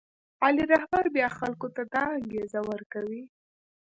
عالي رهبر بیا خلکو ته دا انګېزه ورکوي.